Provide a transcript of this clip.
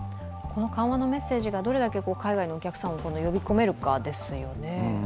この緩和のメッセージがどれだけ海外のお客さんを呼び込めるかですよね。